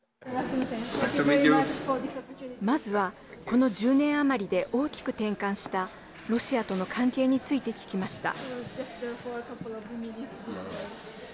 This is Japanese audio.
まずは、この１０年余りで大きく転換したロシアとの関係について聞きました。